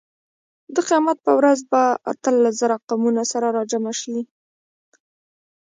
د قیامت په ورځ به اتلس زره قومونه سره راجمع شي.